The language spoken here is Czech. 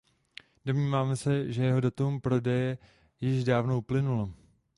Domníváme se, že jeho datum prodeje již dávno uplynulo.